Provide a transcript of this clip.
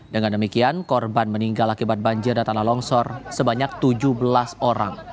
dengan demikian korban meninggal akibat banjir dan tanah longsor sebanyak tujuh belas orang